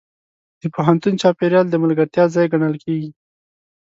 د پوهنتون چاپېریال د ملګرتیا ځای ګڼل کېږي.